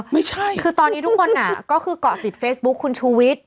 ไม่ใช่คือตอนนี้ทุกคนน่ะก็คือเกาะติดเฟซบุ๊คคุณชูวิทย์